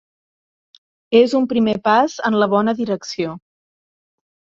És un primer pas en la bona direcció.